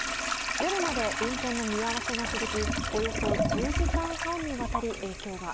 夜まで運転の見合わせが続きおよそ１０時間半にわたり影響が。